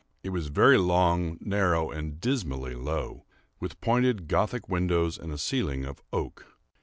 It was very long, narrow, and dismally low, with pointed Gothic windows and a ceiling of oak.